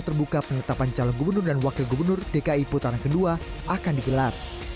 terbuka penetapan calon gubernur dan wakil gubernur dki putaran kedua akan digelar